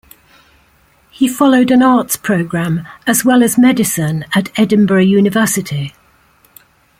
He followed an arts programme as well as Medicine at Edinburgh University.